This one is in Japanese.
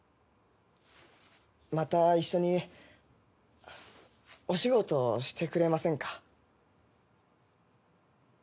また一緒にお仕事してくれませんか？